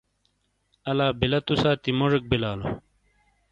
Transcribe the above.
الا بیلا تو ساتی موجیک بیلالو۔